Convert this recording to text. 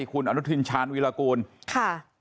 คุณอนุทินชาญวิรากูลค่ะ